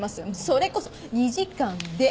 それこそ２時間で。